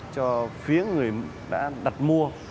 cho phía người đã đặt mua